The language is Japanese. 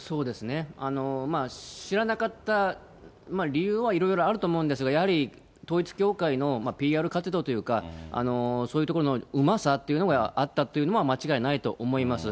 知らなかった理由はいろいろあると思うんですが、やはり統一教会のＰＲ活動というか、そういうところのうまさっていうのがあったというのは間違いないと思います。